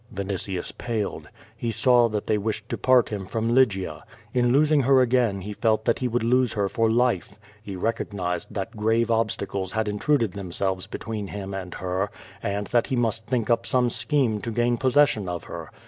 Vinitius paled. He saw that they wished to part him from Lygia. In losing her again he felt that he would lose her for life. He recognized that grave obstacles had intrud ed themselves between him and her, and that he must think up some scheme to gain possession of her.